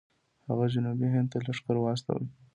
هغه جنوبي هند ته لښکر واستوه.